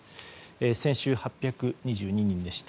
先週、８２２人でした。